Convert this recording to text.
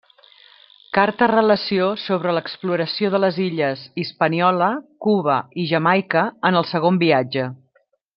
Carta-relació sobre l'exploració de les illes Hispaniola, Cuba i Jamaica en el Segon Viatge.